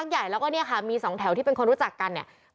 ใหญ่แล้วก็เนี่ยค่ะมีสองแถวที่เป็นคนรู้จักกันเนี่ย